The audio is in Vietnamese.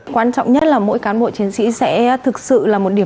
quan trọng nhất là mỗi cán bộ chiến sĩ sẽ thực sự là một điểm